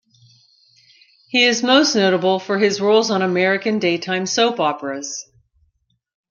He is most notable for his roles on American daytime soap operas.